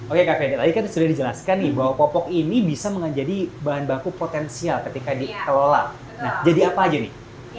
oke kak federa tadi kan sudah dijelaskan nih bahwa popok ini bisa menjadi bahan baku potensial ketika dikelola nah jadi apa aja nih